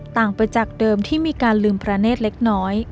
ต่างไปจากเดิมที่มีการลืมพระเนธเล็กน้อย